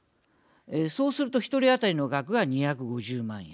そうすると１人当たりの額が２５０万円